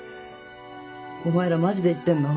お前らマジで言ってんの？